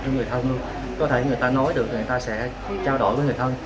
cho người thân có thể người ta nói được người ta sẽ trao đổi với người thân